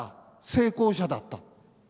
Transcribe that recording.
成功者だった。